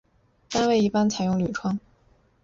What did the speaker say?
单位一般采用铝窗。